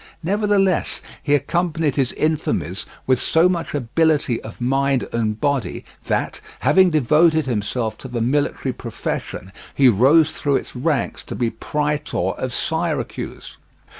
Nevertheless, he accompanied his infamies with so much ability of mind and body that, having devoted himself to the military profession, he rose through its ranks to be Praetor of Syracuse.